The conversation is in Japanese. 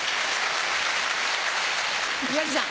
宮治さん。